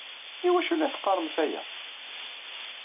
I wacu i la teqqaremt aya?